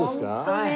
はい。